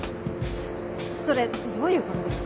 それどういう事です？